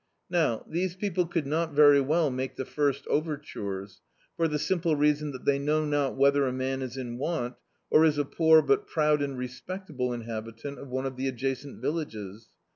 Now, these people could not very well make the first overtures, for the simple reaswi that they know not whether a man is in want, or is a poor, but proud and respectable inhabitant of one of the adjacent villages.